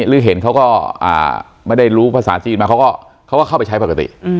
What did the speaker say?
หรือเห็นเขาก็ไม่ได้รู้ภาษาจีนมาเขาก็เข้าไปใช้ปกติ